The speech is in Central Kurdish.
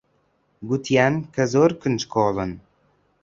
گوتیان کە زۆر کونجکۆڵن.